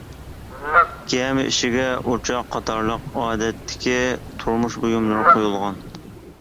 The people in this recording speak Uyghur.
گەمە ئىچىگە ئوچاق قاتارلىق ئادەتتىكى تۇرمۇش بۇيۇملىرى قويۇلغان.